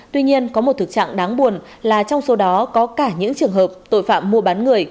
tuy nhiên có một thực trạng đáng buồn là trong số đó có cả những trường hợp tội phạm mua bán người